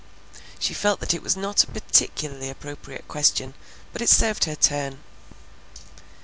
She felt that it was not a particularly appropriate question, but it served her turn.